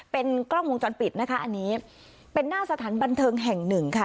เป็นกล้องวงจรปิดนะคะอันนี้เป็นหน้าสถานบันเทิงแห่งหนึ่งค่ะ